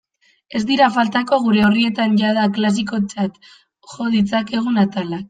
Ez dira faltako gure orrietan jada klasikotzat jo ditzakegun atalak.